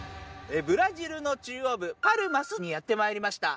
ブラジルの中央部、パルマスにやってまいりました。